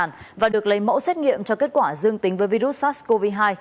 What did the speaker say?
bệnh nhân được lấy mẫu xét nghiệm cho kết quả dương tính với virus sars cov hai